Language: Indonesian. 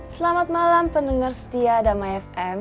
selamat malam pendengar setia damai fm